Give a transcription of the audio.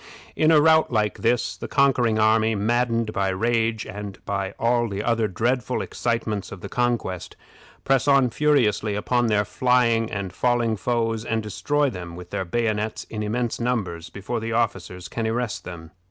In a rout like this, the conquering army, maddened by rage and by all the other dreadful excitements of the contest, press on furiously upon their flying and falling foes, and destroy them with their bayonets in immense numbers before the officers can arrest them.